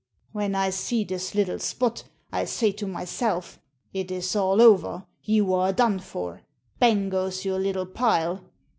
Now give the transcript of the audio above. When I see this little spot, I say to myself, * It is all over. You are done for. Bang goes your little pile.'